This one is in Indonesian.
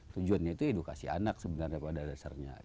tujuannya itu edukasi anak sebenarnya pada dasarnya